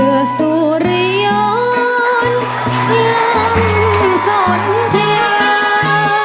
มือสุริยนยังสนทรียา